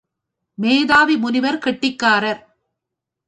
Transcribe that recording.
மேதாவி முனிவர் கெட்டிக்காரர்.